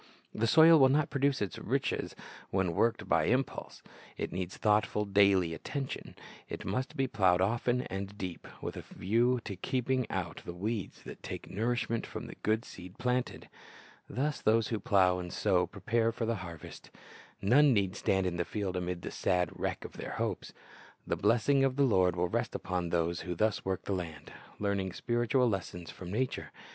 The soil will not produce its riches when worked by impulse. It needs thoughtful, daily attention. It must be plowed often and deep, with a view to keeping out the weeds that take nourishment from the good seed planted. Thus those who plow and sow prepare for the harvest. None need stand in the field amid the sad wreck of their hopes. The blessing of the Lord will rest upon those who thus work the land, learning spiritual lessons from nature.